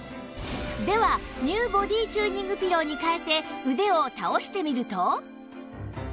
では ＮＥＷ ボディチューニングピローに替えて腕を倒してみると